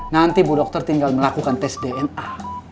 nanti bu dokter tinggal melakukan tes dna